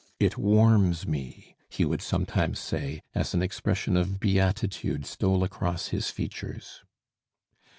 "It warms me!" he would sometimes say, as an expression of beatitude stole across his features.